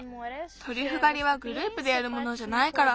トリュフがりはグループでやるものじゃないから。